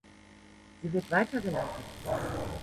Sie wird weitergeleitet.